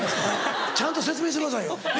ちゃんと説明してくださいよ。